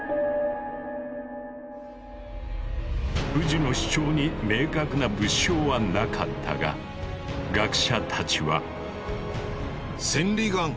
藤の主張に明確な物証はなかったが学者たちは。